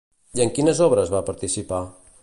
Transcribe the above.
I en quines obres va participar?